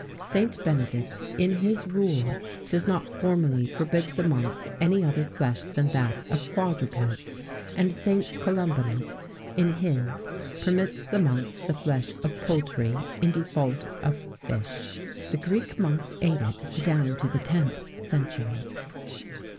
[XVII 4] St. Benedict, in his rule, does not formally forbid the monks any other flesh than that of quadrupeds; and St. Columbanus, in his, permits the monks the flesh of poultry, in default of fish. The Greek monks ate it down to the 10th century.